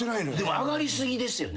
上がり過ぎですよね。